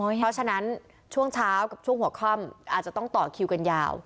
เพราะฉะนั้นช่วงเช้ากับช่วงหัวค่ำอาจจะต้องต่อคิวกันยาว